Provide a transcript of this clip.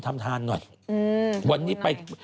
ทำทานหน่อยวันนี้ไป